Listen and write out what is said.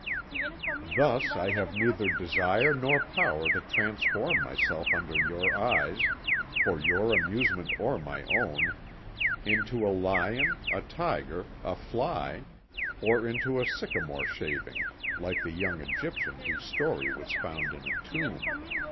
Thus I have neither desire nor power to transform myself under your eyes, for your amusement or my own, into a lion, a tiger, a fly, or into a sycamore shaving like the young Egyptian whose story was found in a tomb.